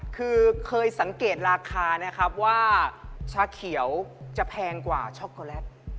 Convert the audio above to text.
คือเคยสังเกตราคานะครับว่าชาเขียวจะแพงกว่าช็อกโกแลต